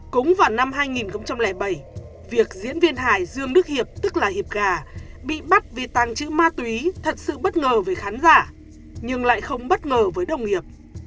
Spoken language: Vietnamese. cũng vào năm hai nghìn bảy việc diễn viên hài dương đức hiệp bị bắt vì tăng chữ ma túy thật sự bất ngờ với khán giả nhưng lại không bất ngờ với đồng nghiệp